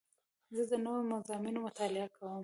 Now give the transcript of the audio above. زه د نوو مضامینو مطالعه کوم.